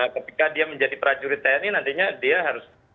ketika dia menjadi prajurit tni nantinya dia harus